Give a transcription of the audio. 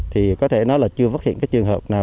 thì có thể nói là chưa phát hiện cái trường hợp nào